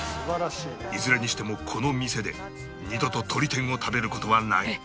いずれにしてもこの店で二度ととり天を食べる事はない